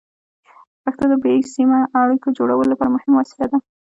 پښتو د بې سیمه اړیکو جوړولو لپاره مهمه وسیله ده.